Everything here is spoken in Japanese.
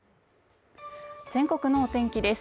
全国の天気です。